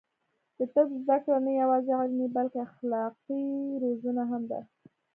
د طب زده کړه نه یوازې علمي، بلکې اخلاقي روزنه هم ده.